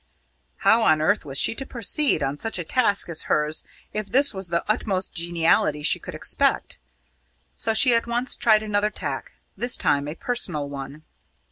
How on earth was she to proceed on such a task as hers if this was the utmost geniality she could expect? So she at once tried another tack this time a personal one.